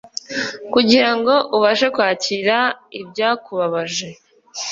kugira ngo ubashe kwakira ibyakubabaje